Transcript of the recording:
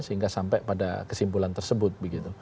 sehingga sampai pada kesimpulan tersebut